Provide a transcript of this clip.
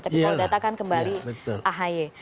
tapi tahun data kan kembali ahy